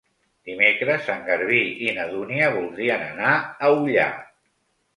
Dimecres en Garbí i na Dúnia voldrien anar a Ullà.